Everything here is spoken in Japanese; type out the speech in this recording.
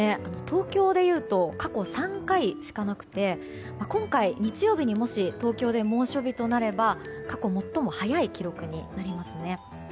東京で言うと過去３回しかなくて今回、日曜日にもし東京で猛暑日となれば過去最も早い記録になりますね。